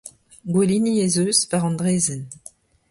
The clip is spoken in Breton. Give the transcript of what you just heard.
Gouelini ez eus war an draezhenn.